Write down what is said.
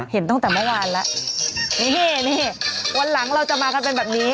เห็นตั้งแต่เมื่อวานแล้วนี่นี่วันหลังเราจะมากันเป็นแบบนี้